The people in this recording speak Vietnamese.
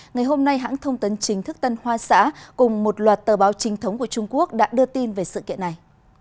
ngày hôm nay hãng thông tấn chính thức tân hoa xã cùng một loạt tờ báo trinh thống của trung quốc đã đưa tin về sự kiện này